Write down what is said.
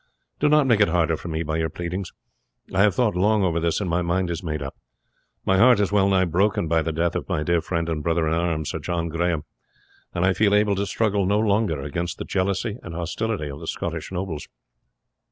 Do not make it harder for me by your pleadings. I have thought long over this, and my mind is made up. My heart is well nigh broken by the death of my dear friend and brother in arms, Sir John Grahame, and I feel able to struggle no longer against the jealousy and hostility of the Scottish nobles."